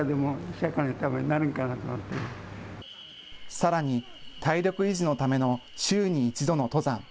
さらに体力維持のための週に一度の登山。